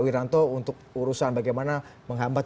wiranto untuk urusan bagaimana menghambat